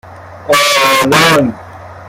آلان